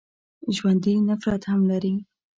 ژوندي نفرت هم لري